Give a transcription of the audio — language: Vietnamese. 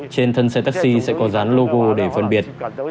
trên thân xe taxi sẽ có dán logo để phân biệt